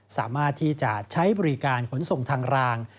สามารถที่จะใช้บริการขนส่งทางราง